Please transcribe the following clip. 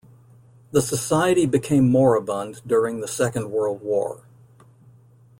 The society became moribund during the Second World War.